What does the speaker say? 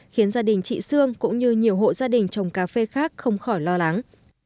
khiến gia đình chị sương cũng như nhiều hộ gia đình trồng cà phê khác không khỏi lo lắng